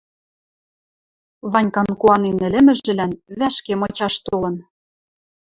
Ванькан куанен ӹлӹмӹжӹлӓн вӓшке мычаш толын.